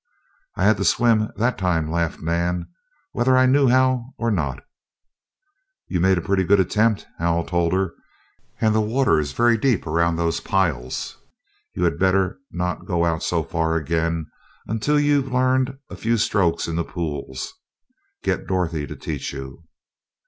"I had to swim that time," laughed Nan, "whether I knew how or not." "You made a pretty good attempt," Hal told her; "and the water is very deep around those piles. You had better not go out so far again, until you've learned a few strokes in the pools. Get Dorothy to teach you."